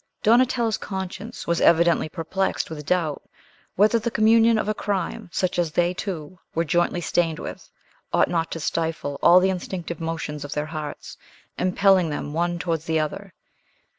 Donatello's conscience was evidently perplexed with doubt, whether the communion of a crime, such as they two were jointly stained with, ought not to stifle all the instinctive motions of their hearts, impelling them one towards the other.